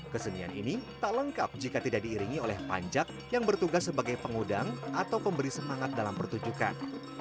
kesenian ini tak lengkap jika tidak diiringi oleh panjak yang bertugas sebagai pengudang atau pemberi semangat dalam pertunjukan